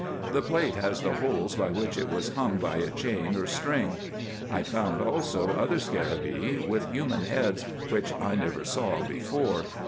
The plate has the holes by which it was hung to a chain or string. I found also other scarabaei, with human heads, which I never saw before.